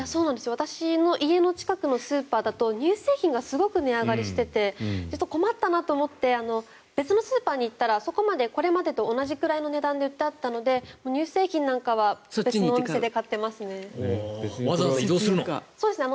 私の家の近くのスーパーだと乳製品がすごく値上がりしていて困ったなと思って別のスーパーに行ったらこれまでと同じくらいの値段で売っていたので乳製品なんかはそのお店で買ってますね。